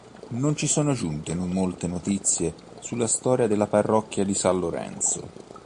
Non ci sono giunte molte notizie sulla storia della parrocchia di San Lorenzo.